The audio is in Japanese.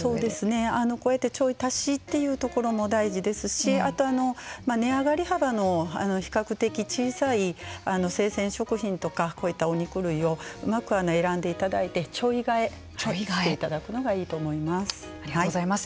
こうやってちょい足しというところも大事ですしあと、値上がり幅の比較的小さい生鮮食品とかこういったお肉類をうまく選んでいただいてちょい替えしていただくのがありがとうございます。